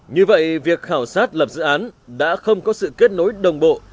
như vậy việc khảo sát lập dự án đã không có sự kết nối đồng bộ